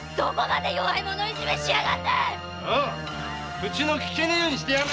口のきけねえようにしてやれ！